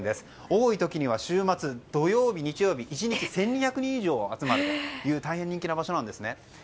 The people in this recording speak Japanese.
多いときには週末土曜日、日曜日で１日１２００人以上集まるという大変人気の場所です。